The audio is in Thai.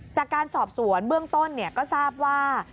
จากการสอบสวนเบื้องต้นก็ทราบว่า